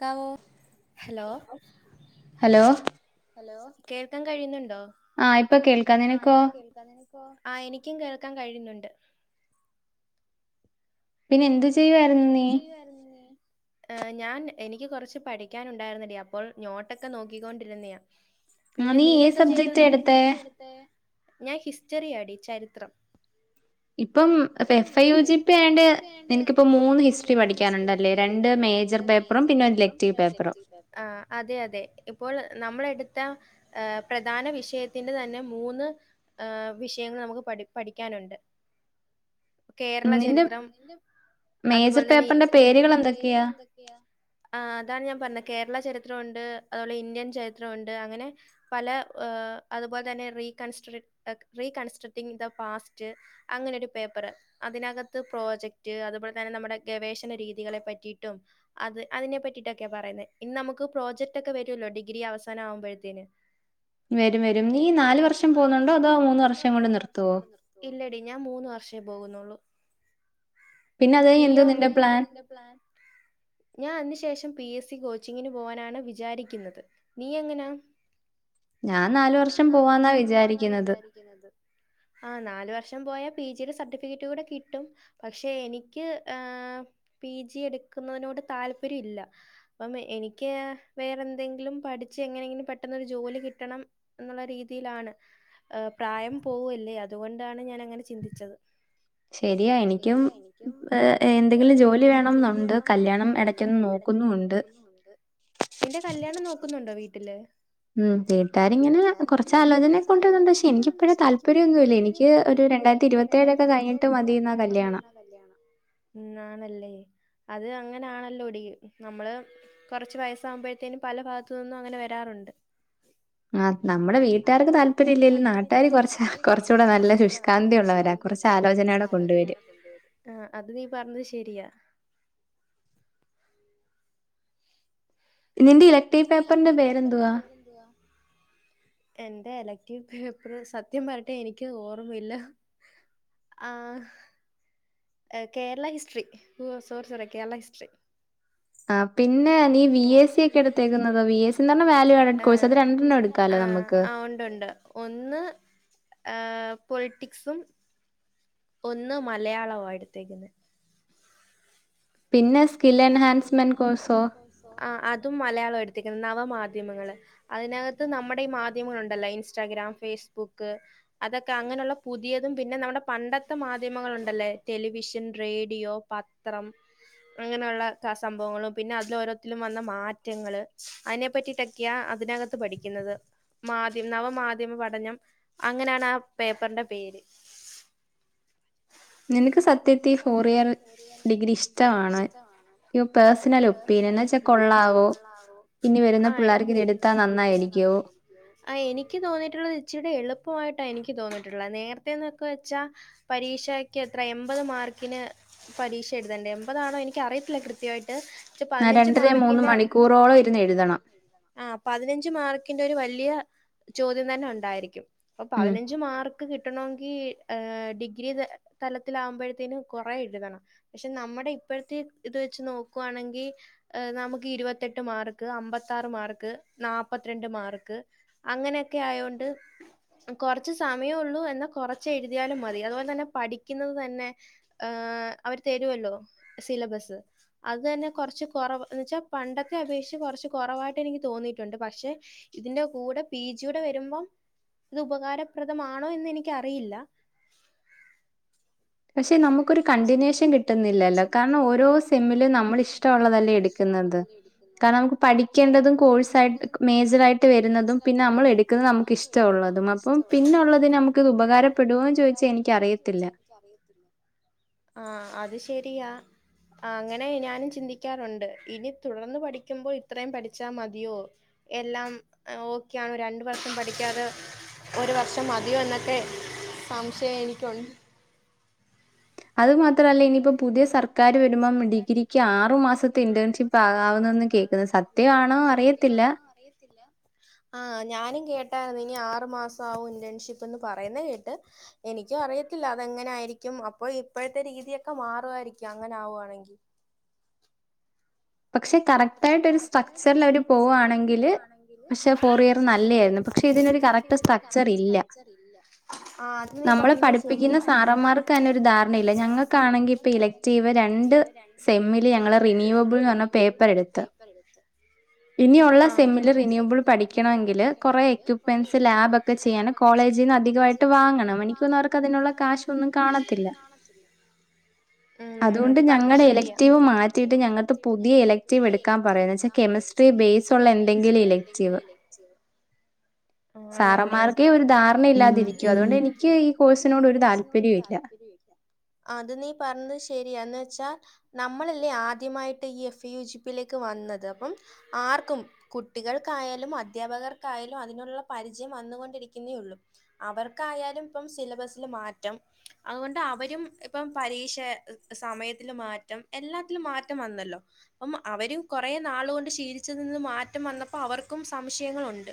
കവോ hello hello കേൾക്കാൻ കഴിയ്ന്ന്ണ്ടോ [unintelligible] ക്കാൻ കഴിയുന്നുണ്ട് പിന്നെ എന്ത് പിന്നെ എന്ത് ചെയ്യുവായിര്ന്ന് നീ ഏ ഞാൻ എനിക്ക് കൊറച്ച് പഠിക്കാനുണ്ടാര്ന്നെടീ അപ്പോൾ നോട്ടൊക്കെ നോക്കിക്കോണ്ടിര്ന്നയാ [unintelligible] ഞാൻ ഹിസ്റ്ററിയാടി ചരിത്രം [unintelligible] [unintelligible] ഏ പ്രധാന വിഷയത്തിന്റെത് തന്നെ മൂന്ന് ഏ വിഷയങ്ങൾ നമുക്ക് പഠി പഠിക്കാനൊണ്ട് [unintelligible] ഇതാണ് ഞാൻ പറ്ഞ്ഞെ കേരള ചരിത്രൊണ്ട് അതോലെ ഇന്ത്യൻ ചരിത്രൊണ്ട് അങ്ങനെ പല ഏ അതുപോലെ തന്നെ റീകൺസ്ട്രി എക്ക് റീകൺസ്ട്രറ്റിൻ ദ പാസ്റ്റ് അങ്ങനൊരു പേ പ്പർ അതിനകത്ത് പ്രോജക്റ്റ് അതുപോലെ തന്നെ നമ്മുടെ ഗവേഷണ രീതികളെ പറ്റിയിട്ടും അത് അതിനെ പറ്റിട്ടൊക്കെ പറയുന്നെ ഇന്നമ്മുക്ക് പ്രോജക്റ്റൊക്കെ വരൊല്ലോ ഡിഗ്രി അവസാന ആവുമ്പഴത്തേന് [unintelligible] പോവുന്നുള്ളൂ [unintelligible] സി കോച്ചിങ്ങിന് പോവാനാണ് വിചാരിക്കിന്നത് നീ എങ്ങനാ [unintelligible] [unintelligible] പോയ പി ജിടെ സബ്റ്റഫിക്കറ്റൂടെ കിട്ടും പക്ഷെ എനിക്ക് ഏ പി ജി എടുക്കുന്നതിനോട് താല്പര്യ ഇല്ല. അപ്പം എനിക്ക് വേറെ എന്തെങ്കിലും പഠിച്ച് എങ്ങനെങ്കിലും പെട്ടെന്നൊരു ജോലി കിട്ടണം എന്നുള്ള രീതിയിലാണ്. ഏ പ്രായം പോവല്ലേ അതുകൊണ്ടാണ് ഞാൻ അങ്ങനെ ചിന്തി ച്ചത് [unintelligible] ഉം വീട്ടുകാര്ങ്ങനെ കൊറച്ചാലോചന കൊണ്ടുവര്ണ്ട് ക്ഷെ എനിക്കിപ്പഴേ താല്പര്യൊന്നുല്ല എനിക്ക് ഒരു രണ്ടായിരത്തി ഇരുവ [unintelligible] അത് അങ്ങനാണല്ലോടി നമ്മള് കൊറച്ച് വയസാവുമ്പഴത്തേനും പല ഭാഗത്തു നിന്നും അങ്ങനെ വരാറുണ്ട് ആ നമ്മുടെ വീട്ടാർക്ക് താല്പര്യല്ലേലും നാട്ടുകാര് കൊറ്ച്ച് കൊറ്ച്ചൂടെ നല്ല ശുഷ്കാന്തിയുള്ളവരാ ആ അത് നീ പറഞ്ഞത് ശരിയാ യാ എന്റെ ഇല ട്ടിക്ക് പേപ്പർ സത്യം പറയട്ടെ എനിക്ക് അത് ഓർമ്മയില്ല ആ കേരള ഹിസ്റ്റ്രി ഓ സോറി സോറി കേരള ഹിസ്റ്റ്രറി ആ പിന്നെ നീ വി എ സി യൊക്കെ എടുത്തേക്കുന്നത് വി എ സി എന്ന് പറഞ്ഞ വാല്യു ആഡഡ് കോഴ്സ് ആ ഒണ്ട്ണ്ട് ഒന്ന് ആ പൊളിറ്റിക്സും ഒന്ന് മലയാളവായി തേക്കുന്നേ ആ അതും മലയാളം എടു ത്തേക്കുന്നെ നവ മാധ്യമങ്ങള് അതിനകത്ത് നമ്മുടെ ഈ മാധ്യമങ്ങളുണ്ടല്ലോ ഇൻസ്റ്റാഗ്രാം, ഫേസ്ബുക്ക് അതൊക്കെ അങ്ങനെയുള്ള പുതിയതും പിന്നെ നമ്മുടെ പണ്ടത്തെ മാധ്യമങ്ങളൊണ്ടല്ലോ ടെലിവിഷൻ, റേഡിയോ, പത്രം അങ്ങനെയുള്ള സംഭവങ്ങളും പിന്നെ അതില് ഓരോത്തിലും വന്ന മാറ്റങ്ങള് അതിനെ പറ്റിട്ടൊക്കെയാ അതിനകത്ത് പഠിക്കുന്നത് മാധ്യമ നവമാധ്യമ പഠനം അങ്ങനാണ പേപ്പറിന്റെ പേര് നിനക്ക് സത്യത്തി ഈ ഫോർ ഇയർ ഡിഗ്രി ഇഷ്ട ആ ആ എനിക്ക് തോന്നിയിട്ടുള്ള ഇച്ചിരൂടെ എളുപ്പമായിട്ട ട്ടാ എനിക്ക് തോന്നിട്ടുള്ളെ നേരത്തെന്നൊക്കെ വെച്ചാ പരീക്ഷക്ക് എത്ര എൺമ്പത് മാർക്കിന് പരീക്ഷ എഴുതേണ്ടേ മ്പതാണോ എനിക്ക് അറിയത്തില്ല കൃത്യവായിട്ട് ച്ചു പതിനഞ്ചു മാർക്കിന്റെ ആ പതിനഞ്ചുമാർക്കിന്റെ ഒരു വലി ലിയ ചോദ്യം തന്നെ ഒണ്ടാരിക്കും അപ്പൊ പതിനഞ്ച് മാർക്ക് കിട്ട കിട്ടണൊങ്കി ആഹ്‌ ഡിഗ്രി തലത്തിലാകുമ്പഴ്ത്തേനും കൊറേ എഴുതണം പക്ഷെ നമ്മടെ ഈ ഇപ്പോഴ്ത്തെ ഇത് വെച്ച് നോക്കുവാണെങ്കി നമുക്ക് ഇരുപത്തെട്ട് മാർക്ക്, അമ്പത്താറ് മാർക്ക്, നാപത്തിരണ്ട് മാർക്ക്, അങ്ങനെയൊക്കെ ആയോണ്ട് കൊറച്ച് സമയഒള്ളൂ എന്നാ കൊറച്ച് എഴുതിയാലും മതി അതുപോലെ തന്നെ പഠിക്കുന്നത് തന്നെ അവര് തരു സിലബസ് അത് തന്നെ കൊറച്ച് കൊറവ് എന്ന് വെച്ചാ പണ്ടത്തെ അപേഷിച്ച് കൊറച്ച് കൊറവായിട്ട് എനിക്ക് തോ ന്നിയിട്ടുണ്ട് പഷേ ഇതിന്റെ കൂടെ പിജിയുടെ വരുമ്പം ഇത് ഉപകാരപ്രദമാണോ എന്ന് എനിക്കറിയില്ല പക്ഷെ നമുക്കൊരു കണ്ടിന്യൂഷൻ കിട്ടുന്നില്ലല്ലോ കാരണം ഓരോ സെമ്മിലും നമ്മളിഷ്ടമുള്ളതല്ലേ എടുക്കുന്നത് കാരണം നമുക്ക് പഠിക്കേണ്ടതും കോഴ്സായിട്ട് മേജറായിട്ട് വരുന്നതും പിന്നെ നമ്മൾ എടുക്കുന്നത് നമുക്ക് ഇഷ്ടമുള്ളതും അപ്പം പിന്നുള്ളതിനെ നമുക്ക് ഇത് ഉപകാരപ്പെടുമോന്ന് ചോദിച്ചാ എനിക്ക് അറിയത്തില്ല ആഹ് അത് ശെരിയാ അങ്ങനെ ഞാനും ചിന്തിക്കാറോണ്ട് ഇനി തുടർന്ന് പഠിക്കുമ്പോ ഇത്രയും പഠിച്ചാ മതിയോ എല്ലാം ഓക്കെയാണോ രണ്ട് വർഷം പഠിക്കാതെ ഒരു വർഷം മതിയോ എന്നൊക്കെ സംശയം എനിക്കൊണ്ട് അത് മാത്ര ത്രല്ല ഇനിപ്പോ പുതിയ സർക്കാര് വരുമ്പോം ഡിഗ്രിക്ക് ആറു മാസത്തെ ഇന്റേൺഷിപ്പ് ആകാവുന്നന്ന് കേക്കുന്നു സത്യമാണോ അറിയത്തില്ല ആ ഞാനും കേട്ടാരുന്നു ഇനി ആറു മാസം ആവും ഇന്റേൺഷിപ്പ് എന്ന് പറയുന്ന കേട്ട് എനിക്കും അറിയത്തില്ല അതെങ്ങനാരിക്കും അപ്പൊ ഇപ്പോഴത്തെ രീതിയൊ ക്കെ മാറുവാരിക്കും അങ്ങനെ ആവുവാണെങ്കി പക്ഷെ കറക്റ്റായിട്ട് ഒരു സ്ട്രക്ചറില് അവര് പോവാണെങ്കില് ആഹ്‌ പഷേ ഫോർ ഇയർ നല്ലെയാരുന്നു പക്ഷെ ഇതിനൊരു കറക്റ്റ് സ്ട്രക്ചർ ഇല്ല ആ അത് നി പറഞ്ഞത് ശെരിയാ നമ്മളെ പഠിപ്പിക്കുന്ന സാറന്മാർക്ക് തന്നെ ഒരു ധാരണയില്ല ഞങ്ങൾക്കാണെങ്കി ഇപ്പൊ ഇലക്ടീവ് രണ്ട് സെമ്മില് ഞങ്ങള് റി പേപ്പറ് എടു പേപ്പറെടുത്ത് ആഹ് ഇനിയുള്ള സെമ്മില് റിന്യൂബിൾ പഠിക്കണമെങ്കില് കൊറെ ഇക്യൂപ്മെന്റ്സ് ലാബൊക്കെ ചെയ്യണം കോളേജിന്ന് അധികായിട്ട് വാങ്ങണം [unintelligible] ക്ക്ന്നോർക്ക് അതിനുള്ള കാശൊന്നും കാണത്തില്ല ഉം അത് പറഞ്ഞത് ശരിയാ ഞങ്ങടെ ഇലക്റ്റീവ് മാറ്റിയിട്ട് ഞങ്ങ ഈ എലക്ടീവ് എട്ക്കാൻ പറയും കെമിസ്ട്രി ബേസ് ഒള്ള എന്തെങ്കിലും എലക്ടീവ് ആണല്ലേ സാറ്മ്മാർക്ക് ഉം ഉം [inaudible] എനിക്ക് ഈ കോഴ്സിനോട് ഒരു താൽപര്യല്ല അത് നീ പറഞ്ഞത് ശരിയാ എന്ന് വെച്ചാൽ നമ്മളല്ലേ ആദ്യമായിട്ട് ഈ എഫ് യു ജി പ്പിലേക്ക് വന്നത് അപ്പം ആർക്കും കുട്ടികൾക്കായാലും അധ്യാപകർക്കായാലും അതിനുള്ള പരിചയം വന്നുകൊണ്ടിരിക്കുന്നേയുള്ളൂ അവർക്കായാലും ഇപ്പം സിലബസില് മാറ്റം അതുകൊണ്ട് അവരും ഇപ്പം പരീക്ഷ ഏഹ് സമയത്തില് മാറ്റം എല്ലാത്തിലും മാറ്റം വന്നല്ലോ അപ്പം അവര് കൊറേ നാളുകൊണ്ട് ശീലിച്ചതിൽനിന്ന് മാറ്റം വന്നപ്പോ അവർക്കും സംശയങ്ങളുണ്ട്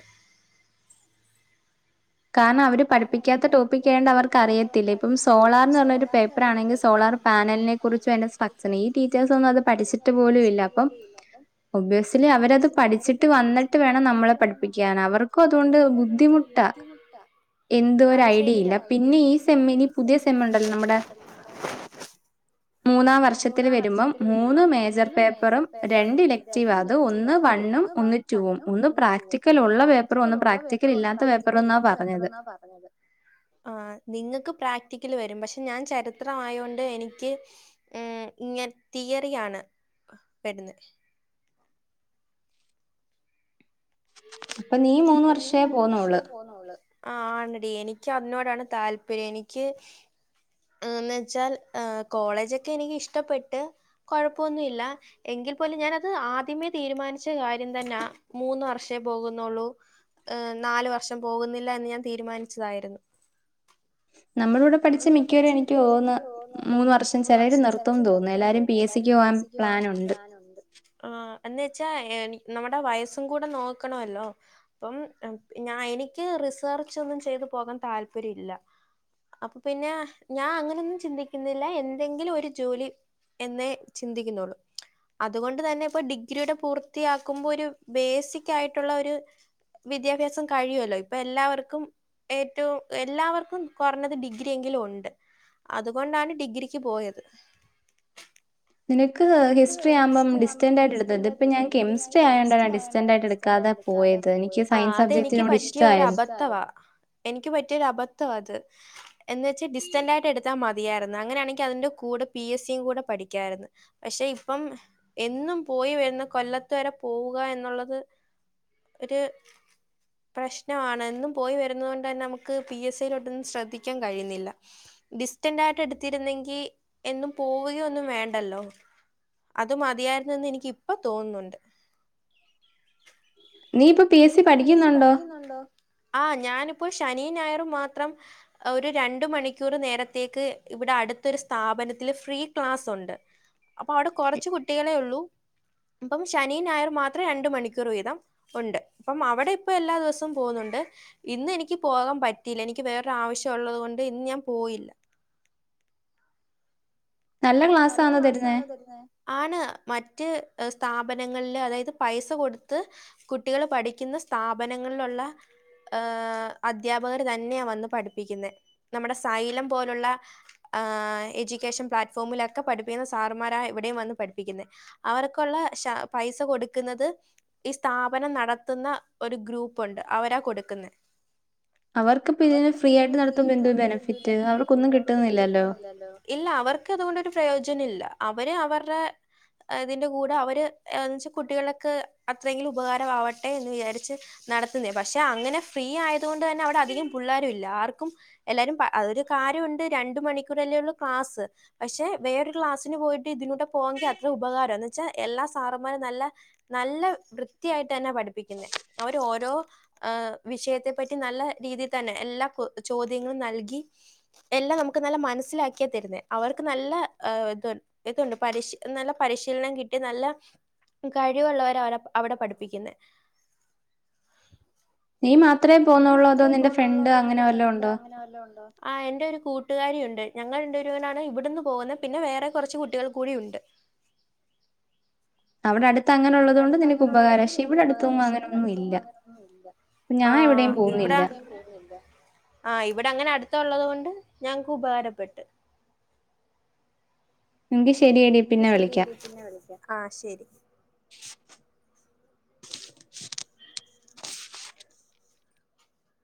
കാരണം അവര് പഠിപ്പിക്കാത്ത ടോപ്പിക്കായോണ്ട് അവർക്ക് അറിയത്തില്ല ഇപ്പം സോളാർന്ന് പറഞ്ഞ ഒരു പേപ്പർ ആണെങ്കി സോളാർ പാനലിനെ കുറിച്ച് വേണ്ട സ്ട്രക്ചർ ഈ ഡീറ്റേൽസ് ഒന്നും അത് പഠിച്ചിട്ട് പോലും ഇല്ല അപ്പം ഒബ്യവെസ്ലി അവരത് പഠിച്ചിട്ട് വന്നിട്ട് വേണം നമ്മളെ പഠിപ്പിക്കാൻ അവർക്കും അതുകൊണ്ട് ബുദ്ധിമുട്ടാ അത് ശരിയാ ഐഡിയ ഇല്ല പിന്നെ ഈ സെമ്മി [inaudible] മൂന്നാം വർഷത്തില് വരുമ്പം മൂന്ന് മേജർ പേപ്പറും രണ്ട് ഇലക്റ്റീവ അത് ഒന്ന് വണ്ണും ഒന്ന് ടൂവും ഒന്ന് പ്രാക്ടിക്കലൊള്ള പേപ്പറും ഒന്നും പ്രാക്ടിക്കൽ ഇല്ലാത്ത പേപ്പറ്ന്നാ സ് പേപ്പറ് ന്നാ പറഞ്ഞത് ആ നിങ്ങക്ക് പ്രാക് റ്റിക്കല് വരും പക്ഷെ ഞാൻ ചരിത്രം ആയോണ്ട് എനിക്ക് ഉം ഇങ്ങെ തിയറിയാണ് വരുന്നേ അപ്പൊ നീ മൂന്ന് വർഷേ പോന്നോള്ള് ആ ആണടി എനിക്ക് അതിനോടാണ് താല്പര്യം എനിക്ക് ഏന്ന് വെച്ചാൽ ഏഹ്‌ കോളേജൊക്കെ എനിക്ക് ഇഷ്ടപ്പെട്ട് കൊഴപ്പൊന്നുല്ല എങ്കിൽ പോലും ഞാനത് ആദ്യമേ തീരുമാനിച്ച കാര്യം തന്നാ മൂന്ന് വർഷേ പോകുന്നുള്ളൂ ഏഹ്‌ നാല് വർഷം പോകുന്നില്ല എന്ന് ഞാൻ തീരുമാനിച്ചതായിരുന്നു നമ്മളിവിടെ പഠിച്ച മിക്കവരും എനിക്ക് തോന്നു മൂന്ന് വർഷം ചെലര് നിർത്ത്ന്ന് തോന്നു എല്ലാരും പി എസ് സിക്ക് പോകാൻ പ്ലാനുണ്ട് ആ എന്ന് വെച്ചാ എനി നമ്മടെ വയസ്സും കൂടെ നോക്കണല്ലോ അപ്പം ഞാ എനിക്ക് റിസർച്ച് ഒന്നും ചെയ്ത് പോകാൻ താല്പര്യല്ല അപ്പൊ പിന്നെ ഞാൻ അങ്ങനെയൊന്നും ചിന്തിക്കുന്നില്ല എന്തെങ്കിലും ഒരു ജോലി എന്നേ ചിന്തിക്കുന്നുള്ളൂ അതുകൊണ്ട് തന്നെ ഇപ്പൊ ഡിഗ്രിയുടെ പൂർത്തിയാക്കുമ്പോ ഒരു ബേസിക് ആയിട്ടുള്ള ഒരു വിദ്യാഭ്യാസം കഴിയുമല്ലോ ഇപ്പൊ എല്ലാവർക്കും ഏറ്റവും എല്ലാവർക്കും പറഞ്ഞത് ഡിഗ്രി എങ്കിലും ഉണ്ട് അതുകൊണ്ടാണ് ഡിഗ്രിക്ക് പോയത് നിനക്ക് ഹിസ്റ്റ്റി ആകുമ്പം ഡിസ്റ്റന്റായിട്ട് എട്ത്തത് ഇത്പ്പൊ ഞാൻ കെമിസ്ട്രി ആയാേണ്ടാ ഞാൻ ഡിസ്റ്റന്റായിട്ട് എട്ക്കാതെ പോയത് എനിക്ക് സയൻസബ്ജക്റ്റിനോട് ഇഷ്ടായ്ര് എനിക്ക് പറ്റിയൊരു അബദ്ധവാ അത് എന്ന് വെച്ചാ ഡിസ്റ്റന്റായിട്ട് എട്ത്താ മതിയാര്ന്നു അങ്ങനെയാണെങ്കി അതിന്റെ കൂടെ പിഎസ്സിയും കൂടെ പഠിക്കായ്ര്ന്ന് പക്ഷെ ഇപ്പം എന്നും പോയി വരുന്ന കൊല്ലത്ത് വരെ പോവുക എന്നുള്ളത് ഒരേ പ്രശ്നവാണ് എന്നും പോയി വരുന്നതോണ്ടന്നെ നമ്ക്ക് പിഎസ് യിലോട്ടാെന്നും ശ്രദ്ധിക്കാൻ കഴിയ്ന്നില്ല ഡിസ്റ്റന്റായിട്ട് എട്ത്തിര്ന്നെങ്കി എന്നും പോവുകയാെന്നും വേണ്ടല്ലോ അത് മതിയാര്ന്നെന്ന് എനിക്ക് ഇപ്പ തോന്ന്ന്നുണ്ട് നീ ഇപ്പൊ പിഎസ്സി പഠിക്ക്ന്നുണ്ടോ ആ ഞാനിപ്പോ ശനിയും ഞായറും മാത്രം ഒരു രണ്ട് മണിക്കൂറ് നേരത്തേക്ക് ഇവ്ടെ അട്ത്തൊരു സ്ഥാപനത്തില് ഫ്രീ ക്ലാസ്സുണ്ട് അപ്പൊ അവ്ടെ കൊറച്ചു കുട്ടികളേ ഒള്ളൂ ഇപ്പം ശനിയും ഞായറും മാത്രേ രണ്ട് മണിക്കൂർ വീതം ഉണ്ട് അപ്പം അവടെ ഇപ്പൊ എല്ലാ ദെവസവും പോകുന്നുണ്ട് ഇന്ന് എനിക്ക് പോകാൻ പറ്റിയില്ല എനിക്ക് വേറൊരു ആവശ്യാെള്ളത് കൊണ്ട് ഇന്ന് ഞാൻ പോയില്ല നല്ല ക്ലാസ്സാന്നോ തര്ന്നേ ആണ് മറ്റ് സ്ഥാപനങ്ങൾല് അതായത് പൈസ കൊട്ത്ത് കുട്ടികള് പഠിക്ക്ന്ന സ്ഥാപനങ്ങളിലൊള്ള ഏ അദ്ധ്യാപകർ തന്നെയാ വന്ന് പഠ്പ്പിക്ക്ന്നേ നമ്മടെ സൈലം പോലുള്ള ആ എജുക്കേഷൻ പ്ലാറ്റ്ഫോമിലൊ ക്കെ പഠിപ്പിക്ക്ന്ന സാർമാരാ ഇവിടെയും വന്ന് പഠിപ്പിക്ക്ന്നെ അവർക്കാെള്ളെ ശ പൈസ കൊട്ക്ക്ന്നത് ഈ സ്ഥാപനം നടത്ത്ന്ന ഒര് ഗ്രൂപ്പുണ്ട് അവരാ കൊട്ക്ക്ന്നെ അവർക്കിപ്പ ഇതിന് ഫ്രീ ആയിട്ട് നടത്തുമ്പോ എന്തോ ബെനഫിറ്റ് അവർക്കൊന്നും കിട്ട്ന്നില്ലല്ലോ ഇല്ല അവർക്ക്ത്കൊണ്ട്ട്ട് പ്രയോജനല്ല അവര് അവർടെ ഇതിന്റെ കൂടെ അവര്ന്ന്ച്ചാ കുട്ടികളൊക്കെ അത്രെങ്കിലും ഉപകാരവാവട്ടെ എന്ന് വിജാരിച്ച് നടത്ത്ന്നേയ പക്ഷെ അങ്ങനെ ഫ്രീ ആയത് കൊണ്ട് തന്നെ അവ്ടെ അധികം പുള്ളാരും ഇല്ല ആർക്കും എല്ലാരും പ അതൊരു കാര്യമുണ്ട് രണ്ട് മണിക്കൂറല്ലേ ഒള്ളു ക്ലാസ് പക്ഷെ വേറൊരു ക്ലാസിന് പോയിട്ട് ഇതിലൂടെ പോവങ്കി അത്ര ഉപകാര ന്ന് വെച്ചാ എല്ലാ സാറന്മാരും നല്ല നല്ല വൃത്തിയായിട്ട് തന്നാ പട്പ്പിക്ക്ന്നെ അവര് ഓരോ അ വിഷയത്തെ പറ്റി നല്ല രീതി തന്നെ എല്ലാ ചോദ്യങ്ങളും നൽകി എല്ലാം നമുക്ക് നല്ല മനസ്സിലാക്കിയ തര്ന്നെ അവർക്ക് നല്ല അ ഇത് ഇത്ണ്ട് പരിശി നല്ല പരിശീൽനം കിട്ടി നല്ല കഴിവുള്ളവരവരെ അവടെ പട്പ്പിക്ക്ന്നെ നീ മാ നീ മാത്രേ പോവ്ന്നാെള്ളാേ അതോ നിന്റെ ഫ്രണ്ട് അങ്ങനെ വല്ലോ ഉണ്ടോ ആ എന്റെ ഒര് കൂട്ടുകാരി ഉണ്ട് ഞങ്ങൾ രണ്ടുപേരു കൂടാണ് ഇവ്ട്ന്ന് പോകുന്നെ പിന്നെ വേറെ കൊർച്ച് കുട്ടികൾ കൂടി ഉണ്ട് അവിടെ അട് അവ്ടെ അട്ത്തങ്ങനെ ഉള്ളതോണ്ട് നിനക്ക് ഉപകാരം ക്ഷേ ഇവ്ടെ അട്ത്തൊന്നും അങ്ങനൊന്നും ഇല്ല ആ ഇവ്ടെ എവിടേയും പോവ്ന്നില്ല ആ ഇവ് ഇവിടെ അങ്ങനെ അടുത്തൊള്ളത് കൊണ്ട് ഞങ്ങക്ക് ഉപകാരപ്പെട്ട് ആ ശരി